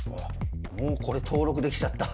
もうこれ登録できちゃった。